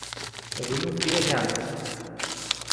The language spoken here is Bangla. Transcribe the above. রুমে ফিরে যান!